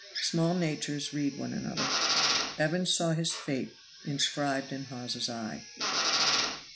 Small natures read one another. Evans saw his fate inscribed in Hawes's eye.